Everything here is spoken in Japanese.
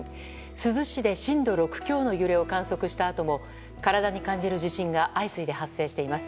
珠洲市で震度６強の揺れを観測したあとも体に感じる地震が相次いで発生しています。